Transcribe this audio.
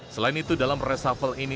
selain itu dalam resafel ini